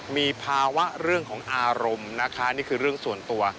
มีภาวะเรื่องของอารมณ์นะคะนี่คือเรื่องส่วนตัว